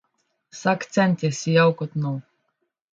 Vsak cent je sijal kot nov.